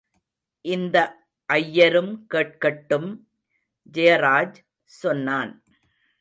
இந்த ஐயரும் கேட்கட்டும்... ஜெயராஜ் சொன்னான்.